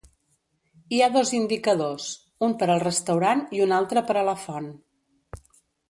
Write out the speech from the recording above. Hi ha dos indicadors: un per al restaurant i un altre per a la font.